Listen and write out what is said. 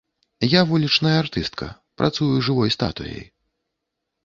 Я вулічная артыстка, працую жывой статуяй.